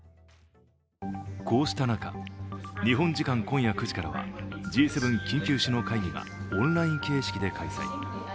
こうした中、日本時間今夜９次からはＧ７緊急首脳会議がオンライン形式で開催。